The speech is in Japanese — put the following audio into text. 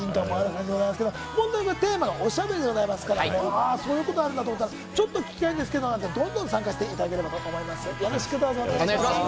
テーマが、「おしゃべり」でございますから、そういうことあるなと思ったら、ちょっと聞きたいんですけどなんて言って、参加してください。